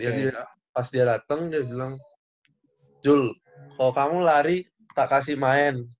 dia dia pas dia dateng dia bilang jul kalo kamu lari tak kasih main